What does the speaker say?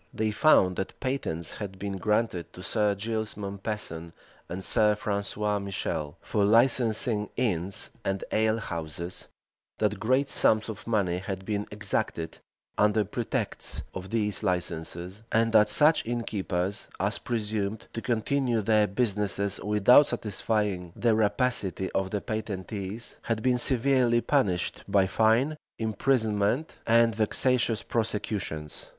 They found, that patents had been granted to Sir Giles Mompesson and Sir Francis Michel, for licensing inns and alehouses; that great sums of money had been exacted, under pretext of these licenses; and that such innkeepers as presumed to continue their business without satisfying the rapacity of the patentees, had been severely punished by fine, imprisonment, and vexatious prosecutions.